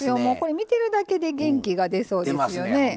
もうこれ見てるだけで元気が出そうですよね？